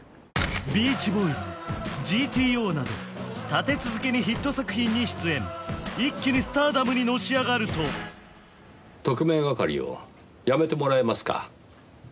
「ビーチボーイズ」「ＧＴＯ」など立て続けにヒット作品に出演一気にスターダムにのし上がると特命係をやめてもらえますか？